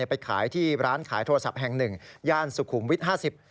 ไปขายที่ร้านขายโทรศัพท์แห่งหนึ่งย่านสุขุมวิทห้าสิบ